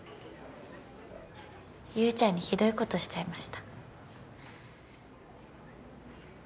優ちゃんにひどいことしちゃいました。